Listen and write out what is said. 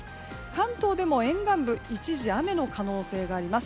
関東でも沿岸部一時雨の可能性があります。